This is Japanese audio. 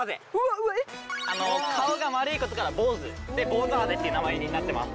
あの顔が丸いことから坊主ボウズハゼっていう名前になってます。